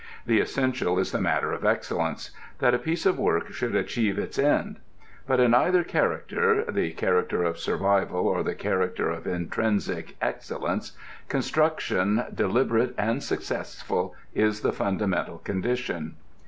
The essential is the matter of excellence: that a piece of work should achieve its end. But in either character, the character of survival or the character of intrinsic excellence, construction deliberate and successful is the fundamental condition.